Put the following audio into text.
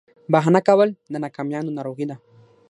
بهانه کول د ناکامیانو ناروغي ده.